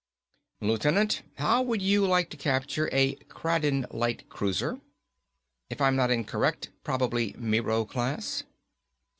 "Lieutenant, how would you like to capture a Kraden light cruiser? If I'm not incorrect, probably Miro class."